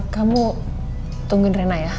kamu tungguin rena ya